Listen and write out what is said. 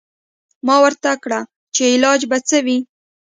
ما ورته کړه چې علاج به څه وي.